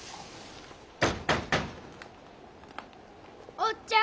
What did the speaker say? ・おっちゃん。